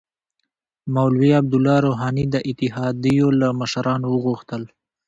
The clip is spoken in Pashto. مولوی عبدالله روحاني د اتحادیو له مشرانو وغوښتل